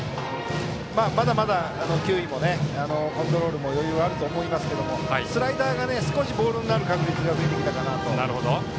まだまだ球威もコントロールも余裕があると思いますけれどもスライダーが少しボールになる確率が増えてきたかなと。